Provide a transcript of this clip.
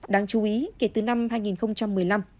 đáng chú ý kể từ năm hai nghìn một mươi năm